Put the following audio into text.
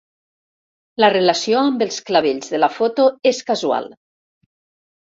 La relació amb els clavells de la foto és casual.